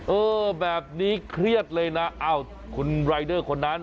เออแบบนี้เครียดเลยนะอ้าวคุณรายเดอร์คนนั้น